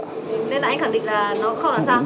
nên là anh khẳng định là nó không làm sao